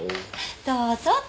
どうぞ。